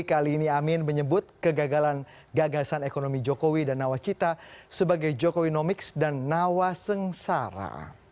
kali ini amin menyebut kegagalan gagasan ekonomi jokowi dan nawacita sebagai jokowi nomics dan nawasengsara